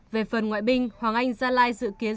về phần ngoại binh hoàng anh gia lai dự kiến